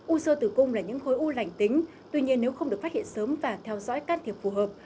u sơ tử cung là những khối u lành tính tuy nhiên nếu không được phát hiện sớm và theo dõi can thiệp phù hợp